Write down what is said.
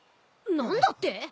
何だって？